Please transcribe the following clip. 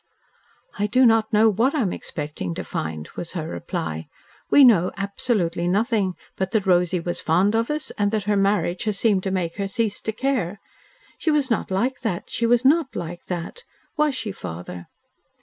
"I do not know what I am expecting to find," was her reply. "We know absolutely nothing; but that Rosy was fond of us, and that her marriage has seemed to make her cease to care. She was not like that; she was not like that! Was she, father?"